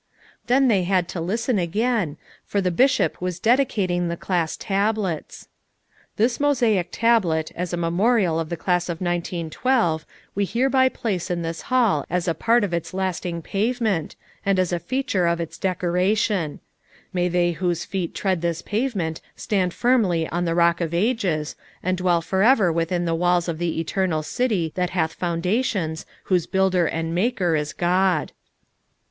Then they had to listen again, for the Bishop was dedicating the class tablets. "This mosaic tablet as a memorial of the class of 1912 we hereby place in this hall as a part of its lasting pavement, and as a feature 292 FOUR MOTHERS AT CHAUTAUQUA of its decoration. May they whose feet tread tliis pavement stand firmly on the Rock of Ages, and dwell forever within the walls of the eternal 'city that hath foundations, whose builder and maker is God.'